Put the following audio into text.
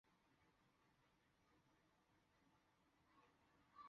该报曾多次获得普利策奖。